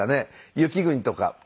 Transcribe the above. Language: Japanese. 『雪國』とか。